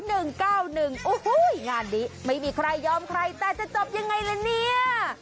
โอ้โหงานนี้ไม่มีใครยอมใครแต่จะจบยังไงละเนี่ย